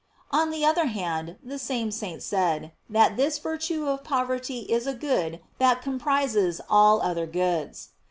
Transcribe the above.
On the other hand, the same saint said, that this virtue of poverty is a good that comprises all other goods.